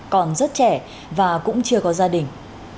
còn rất trẻ và cũng chưa có gia đình